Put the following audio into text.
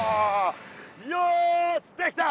よしできた！